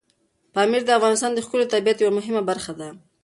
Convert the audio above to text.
پامیر د افغانستان د ښکلي طبیعت یوه مهمه برخه ده.